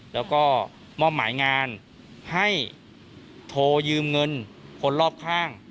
แล้วก็มอบหมายงานให้โทรยืมเงินคนรอบข้าง